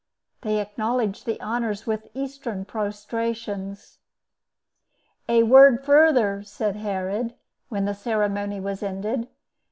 They acknowledged the honors with Eastern prostrations. "A word further," said Herod, when the ceremony was ended.